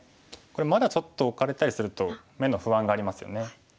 これまだちょっとオカれたりすると眼の不安がありますよね。